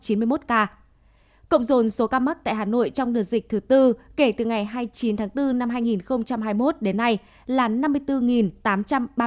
cộng dồn số ca mắc tại hà nội trong đợt dịch thứ tư kể từ ngày hai mươi chín tháng bốn năm hai nghìn hai mươi một đến nay là năm mươi bốn tám trăm ba mươi bốn ca